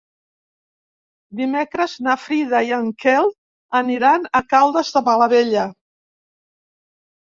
Dimecres na Frida i en Quel aniran a Caldes de Malavella.